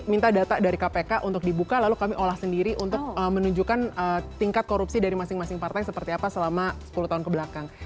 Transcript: minta data dari kpk untuk dibuka lalu kami olah sendiri untuk menunjukkan tingkat korupsi dari masing masing partai seperti apa selama sepuluh tahun kebelakang